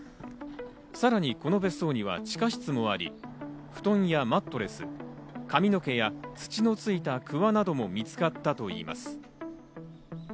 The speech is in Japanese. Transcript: さらにこの別荘には地下室もあり、布団やマットレス、髪の毛や土のついたくわなども見つかったということです。